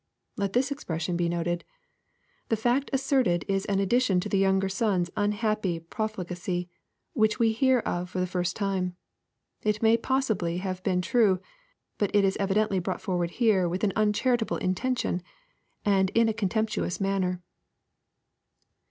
] Let this expression be noted. The fact as serted is an addition to the younger son's unhappy profligacy, which we hear of for the first time. It may possibly have been true, but it is evidently brought forward here with an unchariir able intention, and in a contemptuous manner.